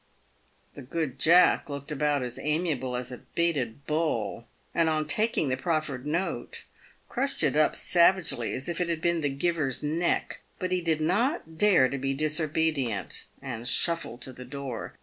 The good Jack looked about as amiable as a baited bull, and on taking the proffered note, crushed it up savagely, as if it had been the giver's neck. But he did not dare to be disobedient, and shuffled to the door.